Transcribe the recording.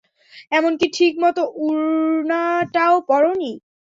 এমনকি ঠিক মতো উড়না টাও পর নি।